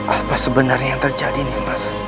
apa sebenarnya yang terjadi nih mas